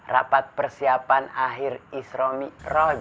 rapat persiapan akhir isromi